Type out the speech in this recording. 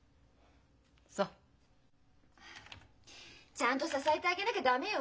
ちゃんと支えてあげなきゃ駄目よ。